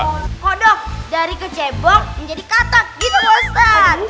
kodok dari kecebong menjadi katak gitu bostad